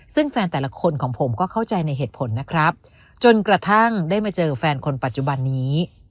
ซึ่งแฟนแต่ละคนของผมก็เข้าใจในเหตุผลนะครับจนกระทั่งได้มาเจอแฟนคนปัจจุบันนี้